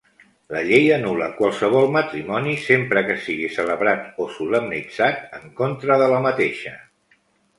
La Llei anul·la qualsevol matrimoni sempre que sigui celebrat o solemnitzat en contra de la mateixa.